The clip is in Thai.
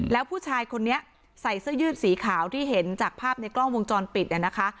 แล้วผู้ชายคนนี้ใส่เสื้อยืดสีขาวที่เห็นจากภาพในกล้องวงจรปิดนะคะ